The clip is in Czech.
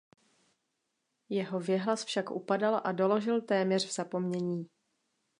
Jeho věhlas však upadal a dožil téměř v zapomnění.